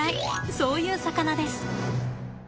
そういう魚です。